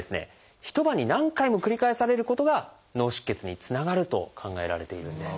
一晩に何回も繰り返されることが脳出血につながると考えられているんです。